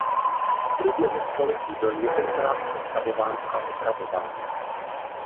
V průběhu století byl několikrát přestavován a opravován.